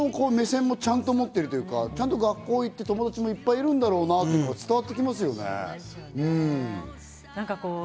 一般の目線もちゃんと持ってるっていうか、ちゃんと学校行って、友達もいっぱいいるんだろうなって伝わってきますよね。